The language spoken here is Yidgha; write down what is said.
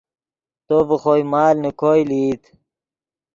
تو ڤے خوئے مال نے کوئے لئیت